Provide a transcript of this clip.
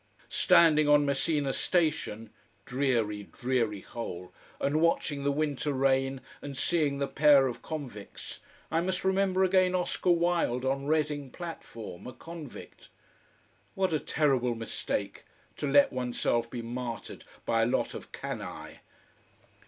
Standing on Messina station dreary, dreary hole and watching the winter rain and seeing the pair of convicts, I must remember again Oscar Wilde on Reading platform, a convict. What a terrible mistake, to let oneself be martyred by a lot of canaille.